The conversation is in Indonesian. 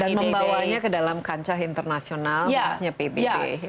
dan membawanya ke dalam kancah internasional maksudnya pbb